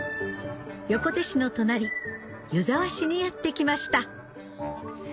横手市の隣湯沢市にやって来ました